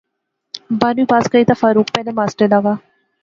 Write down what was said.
بارہویں پاس کری تے فاروق پہلے ماسٹر لاغا